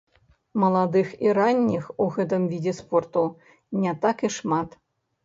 Маладых і ранніх у гэтым відзе спорту не так і шмат.